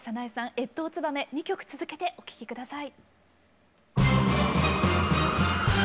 「越冬つばめ」２曲続けてお聴き下さい。